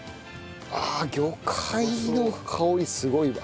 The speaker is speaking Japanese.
ああ魚介の香りすごいわ。